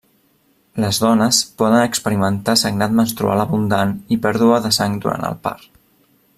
Les dones poden experimentar sagnat menstrual abundant i pèrdua de sang durant el part.